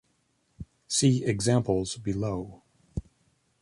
See examples below.